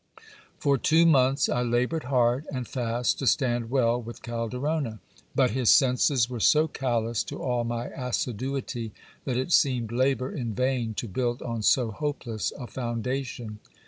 For two months I laboured hard and fast to stand well with Calderona : but "his senses were so callous to all my assiduity, that it seemed labour in vain to budd on so hopeless a foundation.